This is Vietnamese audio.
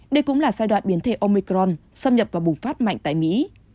đây cũng là giai đoạn biến thể omicron xâm nhập và bùng phát mạnh tại mỹ